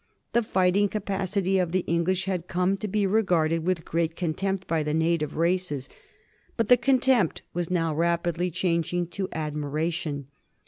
The fighting capacity of the Eng lish had come to be regarded with great contempt by the native races, but the contempt was now rapidly changing to admiration.